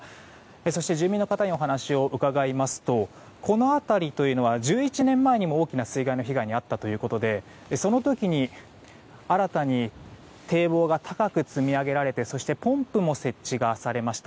そして、住民の方にお話を伺いますとこの辺りは１１年前にも大きな水害の被害に遭ったということでその時に新たに堤防が高く積み上げられてそして、ポンプも設置がされました。